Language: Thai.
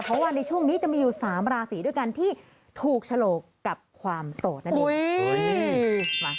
เพราะว่าในช่วงนี้จะมีอยู่๓ราศีด้วยกันที่ถูกฉลกกับความโสดนั่นเอง